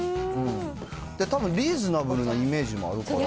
たぶんリーズナブルなイメージもあるから。